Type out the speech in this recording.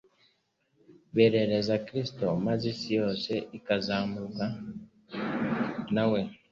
Berereza Kristo maze isi yose ikazamuranwa na we.